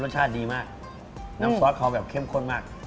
ชาติดีมากน้ำซอสเขาแบบเข้มข้นมาก